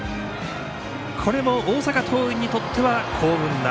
これも、大阪桐蔭にとっては幸運な。